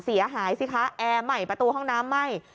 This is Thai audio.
เสียหายสิคะแอร์ใหม่ประตูห้องน้ำไหม้